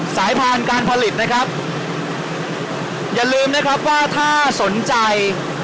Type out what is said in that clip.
สายพันธุ์การผลิตนะครับอย่าลืมนะครับว่าถ้าสนใจ